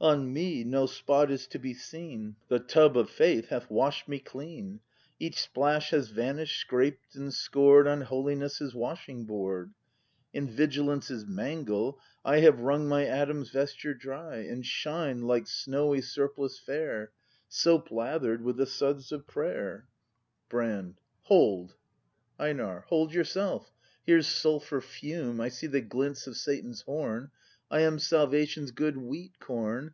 On me no spot is to be seen; The tub of Faith hath wash'd me clean; Each splash has vanish 'd, scraped and scored On Holiness's washing board; In Vigilance's mangle I Have wrung my Adam's vesture dry; And shine like snowy surplice fair, Soap lather'd with the suds of Prayer! 254 BRAND [act v Brand. Hold! EiNAR. Hold, yourself! Here's sulphur fume, I see the glints of Satan's horn! I am Salvation's good wheat corn.